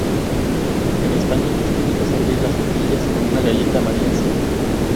En España es típico servir las natillas con una galleta María encima.